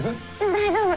大丈夫。